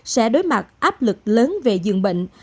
sẽ đối mặt áp lực lớn về dường bệnh